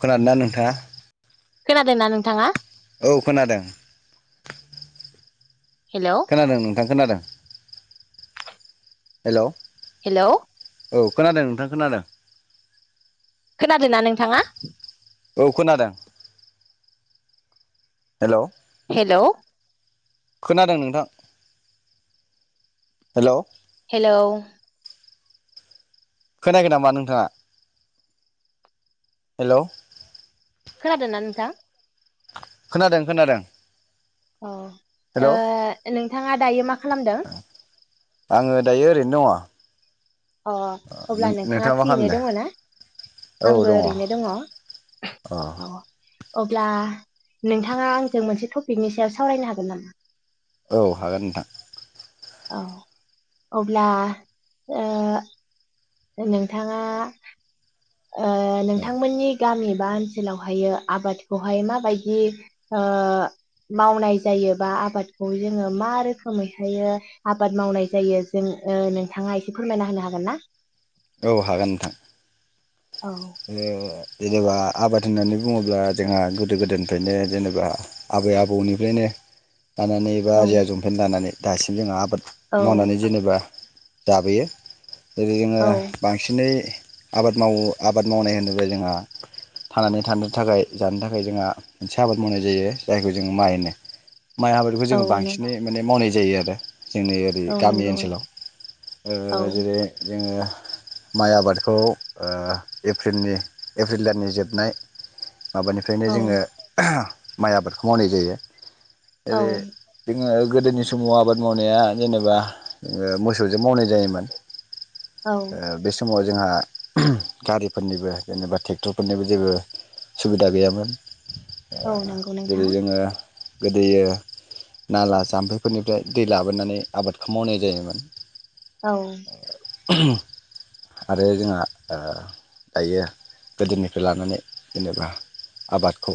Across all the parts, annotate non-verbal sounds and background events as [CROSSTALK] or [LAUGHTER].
खोनादोंना नों? दा खोनादों ना नोंथाङा औ खोनादों। हेलौ खोनादों दा खोनादों हेलौ हेलौ औ खोनादों नोंथां खोनादों। खोनादों ना नोंथाङा? औ खोनादों। हेलौ हेलौ खोनादों नोंथां हेलौ हेलौ खोनायाखै नामा नोंथाङा हेलौ खोनादों ना नोंथां? खोनादों खोनादों। हेलौ ओह नोंथाङा दायो मा खालामदों? आङो दायो ओरैनो दङ। अ अब्ला नोंथाङा मा फ्रियैनो खालामदों दङ ना आंबो ओरैनो दङ अ। अब्ला नोंथाङा आंजों मोनसे टपिकनि सायाव सावरायनो हागोन नामा? औ हागोन नोंथां। औ अब्ला ओ नोंथाङा ओ नोंथांमोननि गामि बा ओनसोलावहायो आबादखौहाय माबायदि ओ मावनाय जायो बा आबादखौ जोङो मा रोखोमैहाय आबाद मावनाय जायो जों नोंथाङा एसे फोरमायना होनो हागोन ना? औ हागोन नोंथां। औ [INAUDIBLE] जेनेबा आबाद होननानै बुङोब्ला जोंहा गोदो गोदायनिफ्रायनो जेनेबा आबै आबौनिफ्रायनो दानानै एबा औ आजै आजौफोरनिफ्राय दानानै दासिम जों आबाद औ मावनानै जेनेबा जाबोयो। ओरै जोङो बांसिनै आबाद मावो। आबाद मावनाय होनोब्ला जोंहा थांनानै थानो थाखाय जानो थाखाय जोंहा मोनसे आबाद मावनाय जायो जायखौ जों माइ होनो। माइ आबादखौ औ जोङो नों बांसिनै माने मावनाय जायो आरो। जोंनि ओरै औ गामि नंगौ ओनसोलाव ओ औ जेरै जोङो माइ आबादखौ ओ एप्रिलनि एप्रिल दाननि जोबनाय माबानिफ्रायनो औ जोङो माइ आबादखौ मावनाय जायो। औ एरै जोङो गोदोनि समाव आबाद मावनाया जेनेबा ओ मोसौजों मावनाय जायोमोन। औ ओ बे समाव जोंहा गारिफोरनिबो जेनेबा ट्रेक्टरफोरनिबो जेबो सुबिदा गैयामोन। औ नंगौ जेरै नोंथां जोङो गोदोयो नाला जाम्फैफोरनिफ्राय दै लाबोनानै आबादखौ मावनाय जायोमोन। औ आरो जोंहा ओ दायो गोदोनिफ्राय लानानै जेनेबा आबादखौ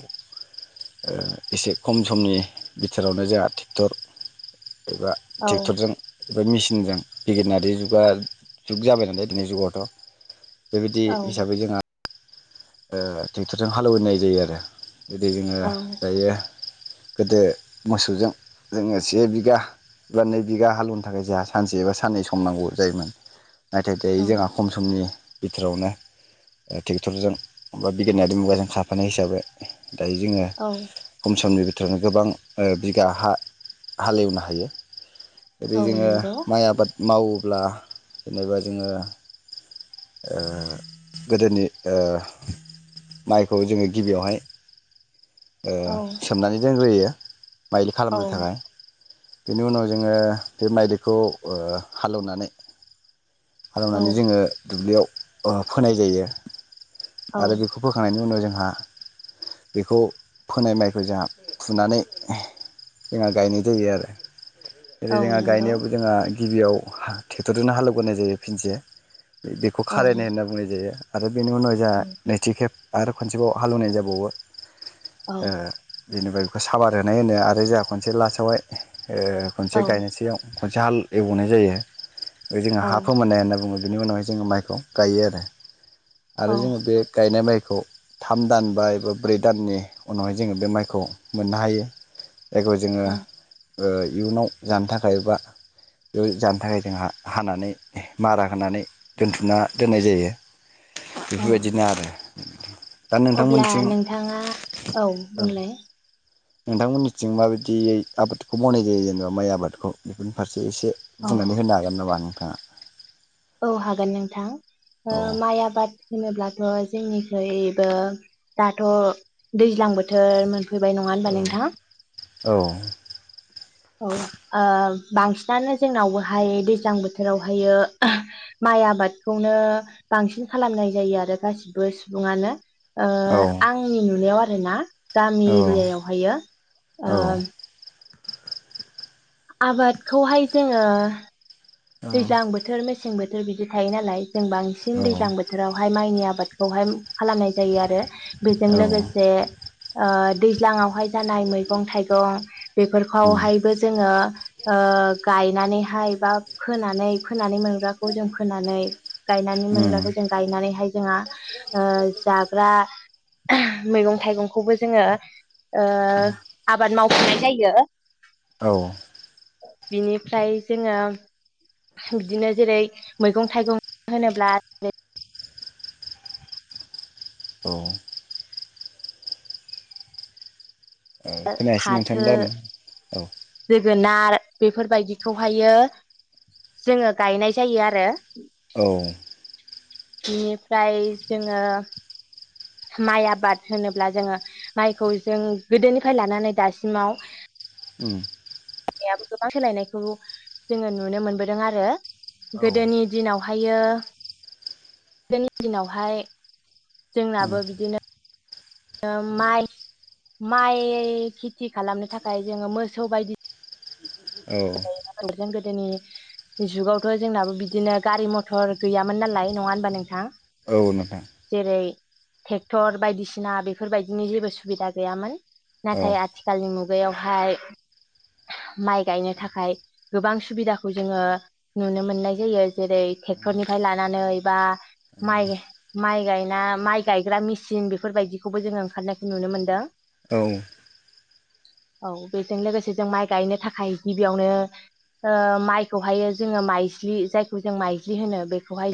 ओ एसे खम समनि बिथोरावनो जोंहा ट्रेक्टर एबा औ ट्रेक्टरजों बे मेसिनजों [UNINTELLIGIBLE] जुगा जुग जाबाय नालाय दिननि जुगावथ' बेबायदि औ हिसाबै जोंहा ओ ट्रेक्टरजों हालेवनाय जायो आरो। बिदि जोंङो दायो गोदो मोसौजों जोंङो से बिघा बा नै बिघा हालौवनो थाखाय जोंहा सानसे एबा साननै सम नांगौ जायोमोन। नाथाय औ दायो जोंहा खम समनि बिथोरावनो ट्रेक्टरजों माबा बिगियानारि मुगाजों खारफानाय हिसाबै दायो जोंङो औ खम समनि [UNINTELLIGIBLE] गोबां बिघा हालेवनो हायो। जेरै औ जोंङो नंगौ माइ आबाद मावोब्ला जेनेबा जोंङो ओ गोदोनि ओ माइखौ जोंङो गिबियावहाय ओ औ सोमनानै दोनग्रोयो। [UNINTELLIGIBLE] औ खालामनो थाखाय बेनि उनाव जोंङो बे माइ दैखौ हालेवनानै औ खालामनानै जोंङो दुब्लियाव फोनाय जायो। औ आरो बेखौ फोखांनायनि उनाव जों जोंहा बेखौ फोनाय माइखौ जोंहा फुनानै जोंहा गायनाय जायो आरो। जेरै औ जोंहा नंगौ गायनायावबो जोंहा गिबियाव ट्रेक्टरजोंनो हालेवग्रोनाय जायो फिनसे बेखौ औ खारायनाय होनना बुंनाय जायो। आरो बेनि उनाव जा औ नैथि खेब आरो खनसेबाव हालौवनाय जाबावो औ [INAUDIBLE] ओ जेनिबा बेखौ साबार होनाय होनो आरो जोंहा खनसे लास्टआवहाय ओ औ खनसे गायनोसैयाव जाहाल एवनाय जायो। बे जोंहा औ हा फोमोननाय होनना बुङो। बिनि उनावहाय जोंङो माइखौ गायो आरो। औ आरो जोङो बे गायनाय माइ खौ थाम दान बा एबा ब्रै दाननि उनावहाय जोङो बे माइखौ मोननो हायो। जायखौ जोङो औ ओ इयुनाव जानो थाखाय बा बेयाव जानो थाखाय जोंहा हानानै मारा होनानै दोनथुमना दोननाय जायो। औ बेफोरबायदिनो आरो। दा अब्ला नोंथांमोनथिं नोंथाङा औ बुंलाय। नोंथांमोननिथिं माबायदियै आबादखौ मावनाय जायो जेनेबा माइ आबादखौ बेफोरनि फारसे। एसे औ बुंनानै होनो हागोन नामा नो थाङा औ हागोन नोंथां। ओ माइ आबाद होनोब्लाथ जोंनिख्रुइबो दाथ दैज्लां बोथोर मोनफै मोनफैबाय नङा होनबा औ नोंथां। औ औ ओ बांसिनानो जोंनावहाय दैज्लां बोथोरावहायो माइ आबादखौनो बांसिन खालामनाय जायो आरो गासिबो सुबुङानो। ओ औ आंनि नुनायाव आ रोना गामि एरियायावहायो औ ओ आबादखौहाय जोङो दैज्लां बोथोर मेसें बोथ थोर बिदि थायो नालाय जों औ बांसिन दैजां बोथोरावहाय माइनि आब आबादखौहाय खालामनाय जायोआरो बेजों औ लोगोसे ओ दैज्लाङावहाय जानाय मैगं थाइगं उम बेफोरखौहायबो जोङो ओ गायनानैहाय बा फोनानै फोनानै मोनग्राखौ जों फोनानै गायनानै उम मोनग्राखौ जों गायनानैहाय जोंहा ओ जाग्रा मैगं थाइगंखौबो जोङो ओ आबाद माव मावनाय जायो। औ। बिनिफ्राय जोङो। बिदिनो जेरै मैगं थाइगं होनोब्ला। औ। ओ खोनायासै नोंथांनि फाथो रायलायनाय औ। जोगोनार बेफोरबायदिखौहायो जोङो गायनाय जायो आरो। औ बिनिफ्राय जोङो माइ आबाद होनोब्ला जोङो माइखौ जों गोदोनिफ्राय लानानै दासिमाव उम। नायाबो गोबां सोलायनायखौ जोङो नुनो मोनबोदों आरो। औ गोदोनि दिनाव ओमफायो गोदनि दिनावहाय जोंनाबो बिदिनो ओ माइ। माइ खेथि खालामनो थाखाय जोङो मोसौ बायदि औ। [UNINTELLIGIBLE] गोदोनि जुगावथ' जोंनाबो बिदिनो गारि मथर गैयामोन नालाय नङा होनबा नोंथां? औ नोंथां। जेरै ट्रेक्टर बायदिसिना बेफोरबायदिनि जेबो सुबिदा गैयामोन। औ नाथाय आथिखालनि मुग मुगायावहाय माइ गायनो थाखाय गोबां सुबिदाखौ जोङो नुनो मोननाय जायो। जेरै ट्रेक्टरनिफ्राय लानानै बा माइ-माइ गाय ना माइ गायग्रा मेसिन बेफोरबायदिखौबो जोङो ओंखारनायखौ नुनो मोन्दों। औ। औ बेजों लोगोसे जों माइ गायनो थाखाय गिबियावनो ओ माइखौहायो जोङो माइज्लि जायखौ जों माइज्लि होनो।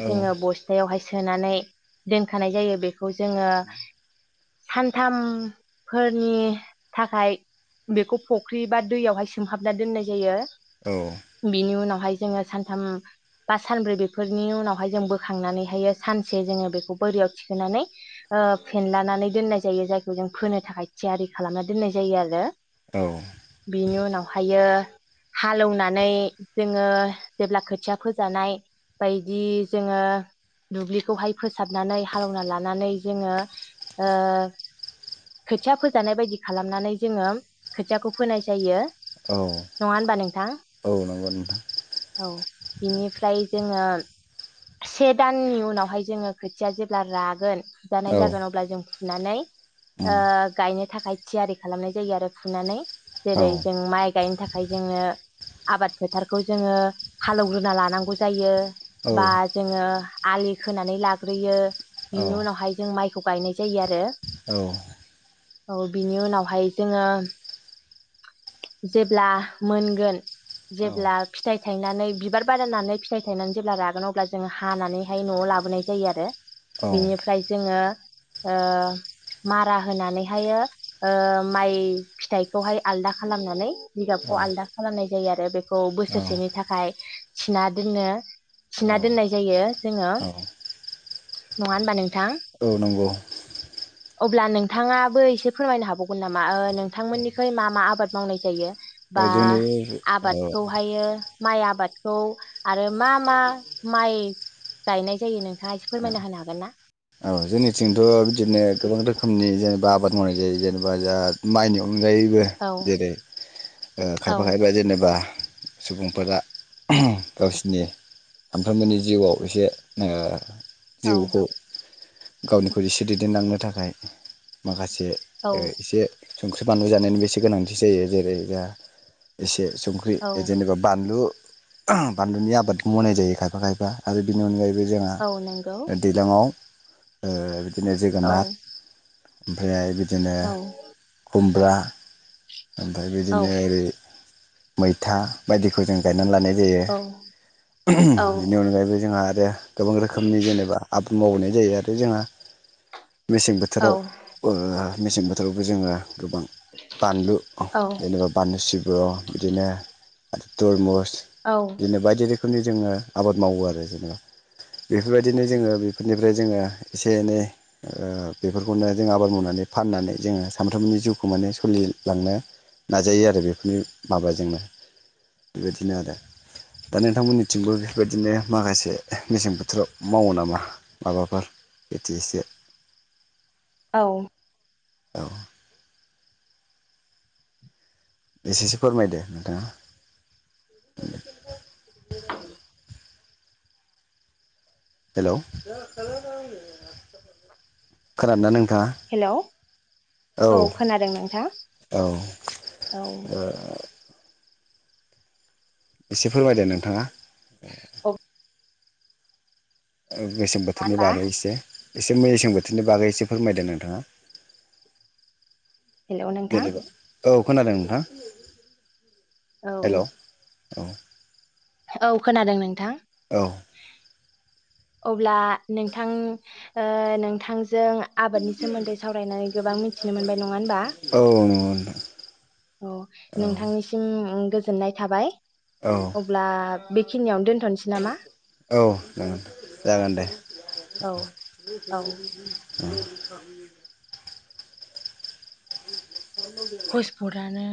औ जो बस्थायावहाय सोनानै दोनखानाय जायो बेखौ जोङो सानथाम फोरनि थाखाय बेखौ फुख्रि बा दैयावहाय सोमहाबना दोननाय जायो। बिनि उनाव बेहाय जोङो सानथाम बा सानब्रै बेफोरनि उनावहाय जों बोखांनानैहायो सानसे जोङो बेखौ बोरियाव थिखोनानै फेनलानानै दोननाय जायो, जायखौ जों फोनो थाखाय थियारि खालामना दोननाय जायो आरो। औ बिनि उनाव ओमफायो हालेवनानै जोङो जेब्ला खोथिया फोजानाय बायदि जोङो दुब्लिखौहाय फोसाबनानै हालौना लानानै जोङो ओ खोथिया फोजानाय बायदि खालामनानै जोङो खोथियाखौ फोनाय जायो। औ। थां औ नंगौ नोंथां औ बिनिफ्राय जोङो से दाननि उनावहाय जोङो खोथिया जेब्ला रागोन जानाय औ जागोन अब्ला जों फुनानै ओ उम गायनो थाख फाय थियारि खालामनाय जायो आरो फुनानै। औ जेरै जों माइ गायनो थाखाय जोङो आबाद फोथारखौ जोङो हालौग्रोना लानांगौ जायो। बा जोङो आलि खोनानै लाग्रोयो औ बिनि उनावहाय जों माइ खौ बायनाय जायो आरो। औ औ बिनि उनावहाय जोङो जेब्ला मोनगोन औ जेब्ला फिथाइ थायनानै बिबार बारहोनानै फिथाइ थायनानै जेब्ला रागोन अब्ला जों हानानैहाय न'आव लाबोनाय जायो आरो। बिनिफ्राय जोङो ओ मारा होनानैहायो ओ माइ फिथाइखौहाय आलदा खालामनानै जिगाबखौ आलदा खालामनाय जायो आरो बे खौ बोसोरसेनि थाखाय थिना दोननो थिना औ दोननाय जायो जोङो। औ नंङा होमबा नों औ नंगौ। अब्ला नोंथाङाबो एसे फोरमायनो हाबावगोन नामा? ओ नोंथांमोननिखै मा मा आबाद मावनाय जायो? औ बा जोंनि औ आबादखौहायो माइ आबादखौ आरो मा मा माइ गायनाय जायो नोंथाङा एसे फोरमायना होनो हागोन ना? औ जोंनिथिंथ' बिदिनो गोबां रोखोमनि जेनेबा आबाद मावनाय जायो जेनेबा जा माइनि अनगायैबो औ जेरै ओ औ खायफा खायफा जेनेबा सुबुंफोरा गावसिनि सामफ्रामबोनि जिउआव एसे ओ जिउखौ औ गावनिखौ एसे दैदेनलांनो थाखाय माखासे दे एसे संख्रि बानलु जानायनिबो एसे गोनांथि जायो जेरै दा एसे संख्रि औ जेनबा बानलु बानलुनि आबाद मावनाय जायो खायफा खायफा आरो बिनि अनगायै बे जोंहा औ नंगौ दैलाङाव ओ बिदिनो औ जोगोनाथ ओमफाय बिदिनो औ खुम ब्रा ओमफाय औ बिदिनो ओरै मैथा बायदिखौ जों गायनानै लानाय जायो। औ औ बेनि अनगायैबो जोंहा दे गोबां रोखोमनि जेनेबा आबाद मावनाय जायो आरो जोंहा मेसें बोथोराव ओ मेसें बोथोरावबो जोंङो गोबां बानलु औ जेनेबा बानलु सिब्र' बिदिनो तरमुस औ बिदिनो बायदि रो खोमनि जोंङो आबाद मावो आरो जेनेबा बेफोरबायदिनो जोंङो बेफोरनि ओमफ्राय जोंङो इसे एनै ओ बेफोरखौनो जों आबाद मावनानै फाननानै जोंङो सानफ्रोमबोनि जिउखौ माने सोलिलांनो नाजायो आरो बेफोरनि माबाजोंनो, बेबायदिनो आरो दा नोंथांमोननिथिंबो बेफोरबायदिनो माखासे मेसें बोथोराव मावो नामा माबाफोर बिदि एसे? औ। औ। एसेसो फोरमायदो नोंथाङा। हेलौ खोनादोंना नों हेलौ थांङा औ खोनादों नोंथां औ ओ। औ इसे फोरमायदो नोंथाङा [UNINTELLIGIBLE] मेसें बोथोरनि होनबा बागै एसे। एसे मेसें बोथोरनि बागै एसे फोरमायदो नोंथाङा। हेलौ नोंथां? जेनेबा औ खोनादों नोंथां? औ हेलौ औ औ खोनादों नोंथां। औ अब्ला नोंथां ओ नोंथां जों आबादनि सोमोन्दै सावरायनानै गोबां मिथिनो मोनबाय नंङा होमबा? औ नंगौ औ नोंथां नोंथांनिसिम गोज जोननाय थाबाय। औ अब्ला बेखिनियावनो दोन औ जागोन जागोन दे। औ औ [INAUDIBLE] हुसपट आनो